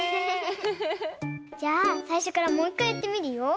じゃあさいしょからもういっかいやってみるよ。